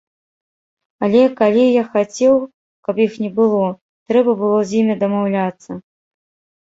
Але калі я хацеў, каб іх не было, трэба было з імі дамаўляцца.